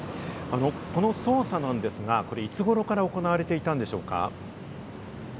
この捜査なんですが、いつ頃から行われていたんでしょうか？